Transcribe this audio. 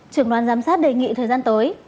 trưởng đoàn giám sát đề nghị thời gian tới